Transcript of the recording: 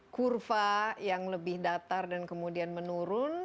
kurva yang lebih datar dan kemudian menurun